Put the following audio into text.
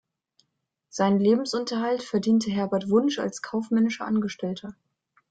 Seinen Lebensunterhalt verdiente Herbert Wunsch als kaufmännischer Angestellter.